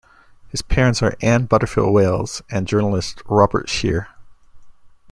His parents are Anne Butterfield Weills and journalist Robert Scheer.